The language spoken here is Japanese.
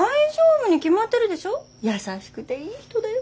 優しくていい人だよ。